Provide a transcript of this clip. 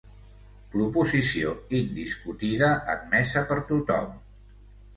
Proposició indiscutida, admesa per tothom.